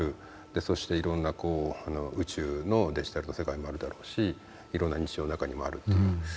そしていろんな宇宙のデジタルの世界もあるだろうしいろんな日常の中にもあるっていう。